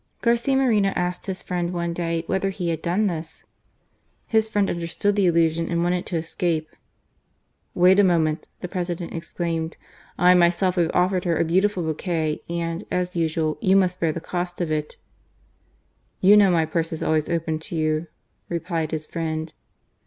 Garcia Moreno asked his friend one day whether he had done this ? His friend tinder stood the allusion and wanted to escape. " Wait a moment !" the President exclaimed, " I myself have offered her a beautiful bouquet and, as usual, you must bear the cost of it." "You know my purse is always open to you," replied his friend.